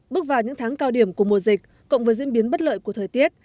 bước vào những tháng cao điểm của mùa dịch cộng với diễn biến bất lợi của thời tiết